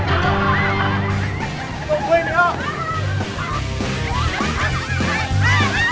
aduh eh kenapa sih